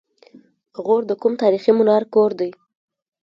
غور د کوم تاریخي منار کور دی؟